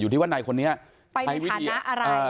นึกว่าในคนนี้ไปในฐานะอะไร